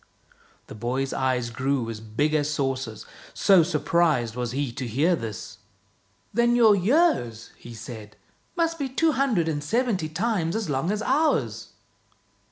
The boy's eyes grew as big as saucers, so surprised was he to hear this. " Then your years," he said " must be two hundred and seventy times as long as ours!